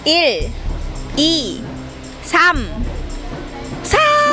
เรียบร้อยเลย